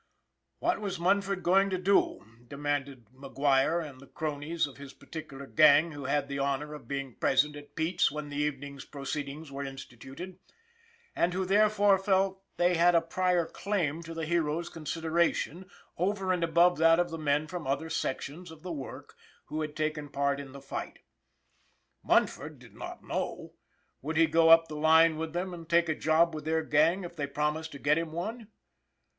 What was Munford going to do? demanded Mc Guire and the cronies of his particular gang who had had the honor of being present at Pete's when the evening's proceedings were instituted, and who there fore felt they had a prior claim to the hero's considera tion over and above that of the men from other sec tions of the work who had taken part in the fight. Munford did not know. Would he go up the line with them and take a job with their gang if they promised to get him one?